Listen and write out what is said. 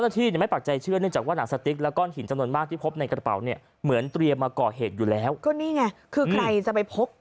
รถปากใช่ไหมรถสิบร้อยใช่ไหม